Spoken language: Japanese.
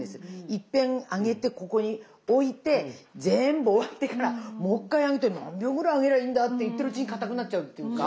いっぺん揚げてここに置いて全部終わってからもう一回揚げて何秒ぐらい揚げりゃいいんだ？って言ってるうちにかたくなっちゃうっていうか。